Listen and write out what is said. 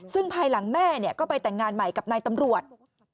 ซึ่งภายหลังแม่ก็ไปแต่งงานใหม่กับนายตำรวจ